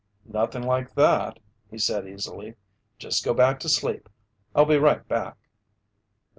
"Nothing like that," he said easily. "Just go back to sleep. I'll be right back."